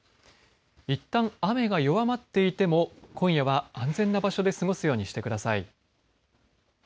いったん雨が弱まっていても今夜は安全な場所で過ごすようにしてください。